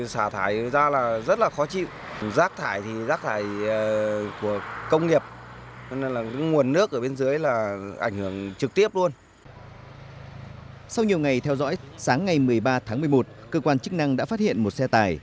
sau nhiều ngày theo dõi sáng ngày một mươi ba tháng một mươi một cơ quan chức năng đã phát hiện một xe tải